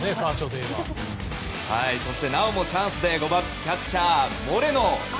なおもチャンスで５番キャッチャー、モレノ！